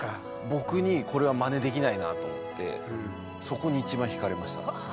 僕にこれはまねできないなと思ってそこに一番ひかれました。